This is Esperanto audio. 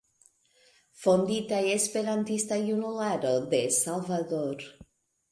Fondita Esperantista Junularo de Salvador.